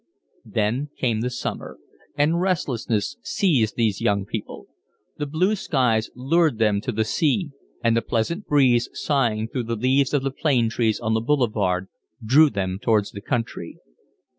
Then came the summer, and restlessness seized these young people. The blue skies lured them to the sea, and the pleasant breeze sighing through the leaves of the plane trees on the boulevard drew them towards the country.